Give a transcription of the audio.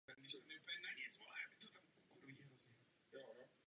Při opravě dostal kostel dnešní klasicistní ráz.